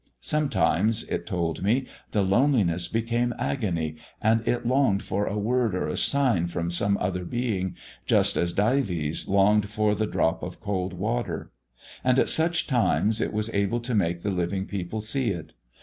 Sometimes, it told me, the loneliness became agony, and it longed for a word or a sign from some other being, just as Dives longed for the drop of cold water; and at such times it was able to make the living people see it.